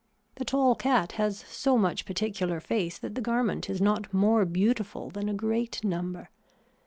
The tall cat has so much particular face that the garment is not more beautiful than a great number.